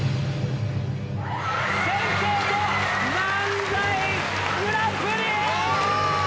先生と漫才グランプリ！